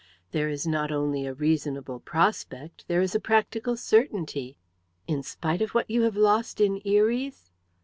"There is not only a reasonable prospect, there is a practical certainty." "In spite of what you have lost in Eries?"